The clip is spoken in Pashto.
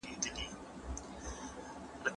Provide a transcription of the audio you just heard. افراط بد دی.